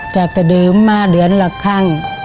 จากเต่เดิมมาเดือนหลักข้าง